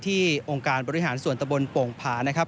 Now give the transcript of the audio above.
ที่องค์การบริหารส่วนตะบนโป่งผ่า